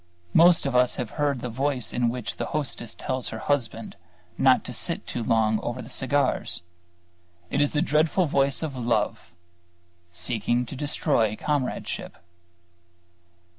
Most of us have heard the voice in which the hostess tells her husband not to sit too long over the cigars. It is the dreadful voice of Love, seeking to destroy Comradeship.